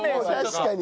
確かに。